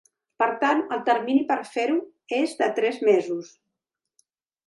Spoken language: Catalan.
Per tant el termini per fer-ho és de tres mesos.